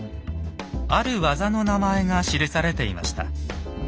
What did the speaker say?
ある技の名前が記されていました。